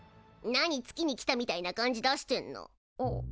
何月に来たみたいな感じ出してんの？